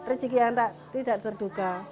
rezeki yang tidak terduga